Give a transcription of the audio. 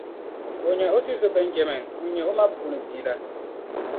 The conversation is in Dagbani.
o nya o tizo Bɛnjamin ŋun nyɛ o ma puuni bia la.